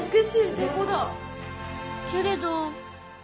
けれど。